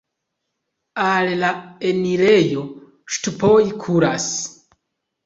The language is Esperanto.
Al la enirejo ŝtupoj kuras.